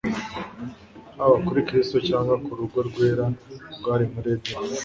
haba kuri Kristo cyangwa ku rugo rwera rwari muri Edeni.